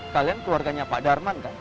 kalian keluarganya pak darman kan